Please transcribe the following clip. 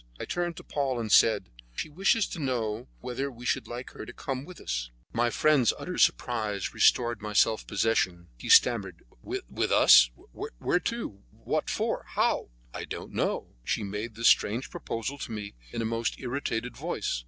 I turned to Paul, and said: "She wishes to know whether we should like her to come with us." My friend's utter surprise restored my self possession. He stammered: "With us? Where to? What for? How?" "I don't know, but she made this strange proposal to me in a most irritated voice.